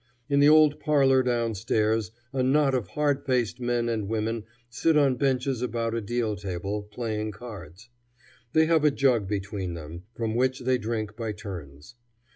In the old parlor down stairs a knot of hard faced men and women sit on benches about a deal table, playing cards. They have a jug between them, from which they drink by turns.